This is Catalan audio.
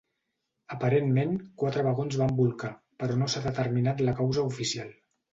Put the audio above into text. Aparentment, quatre vagons van bolcar, però no s'ha determinat la causa oficial.